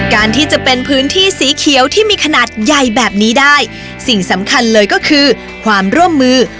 การที่จะเป็นพื้นที่สีเขียวที่มีขนาดใหญ่แบบนี้ได้สิ่งสำคัญเลยก็คือความร่วมมือ